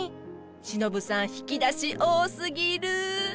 シノブさん引き出し多すぎる。